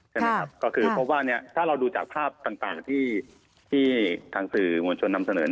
ใช่ไหมครับก็คือพบว่าเนี่ยถ้าเราดูจากภาพต่างที่ทางสื่อมวลชนนำเสนอ